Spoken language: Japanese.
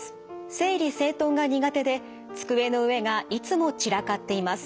整理整頓が苦手で机の上がいつも散らかっています。